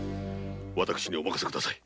私にお任せ下さい。